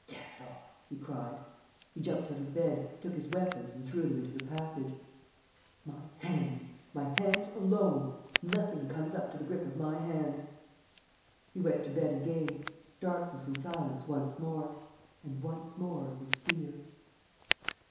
"Damn it all!" he cried. He jumped out of bed, took his weapons and threw them into the passage: "My hands, my hands alone! Nothing comes up to the grip of my hands!" He went to bed again. Darkness and silence, once more. And, once more, his fear.